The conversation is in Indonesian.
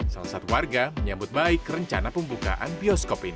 salah satu warga menyambut baik rencana pembukaan bioskop ini